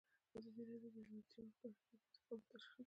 ازادي راډیو د اطلاعاتی تکنالوژي په اړه د حکومت اقدامات تشریح کړي.